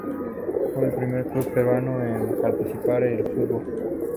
Fue el primer club peruano en practicar el fútbol.